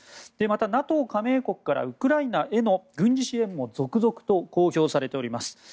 加盟国からウクライナへの軍事支援も続々と公表されております。